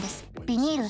ビニール